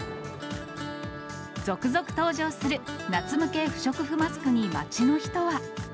続々登場する夏向け不織布マスクに街の人は。